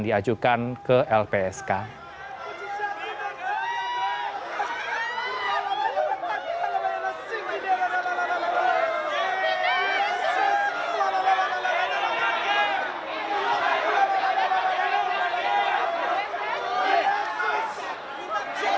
dan juga melihat status gc atau justice collaboration